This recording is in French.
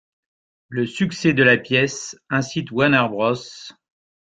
Le succès de la pièce incite Warner Bros.